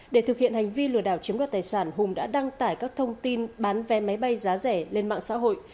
để thực hiện hành vi lừa đảo chiếm đoạt tài sản hùng đã đăng tải các thông tin bán vé máy bay giá rẻ lên mạng xã hội